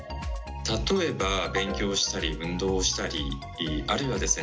例えば勉強をしたり運動をしたりあるいはですね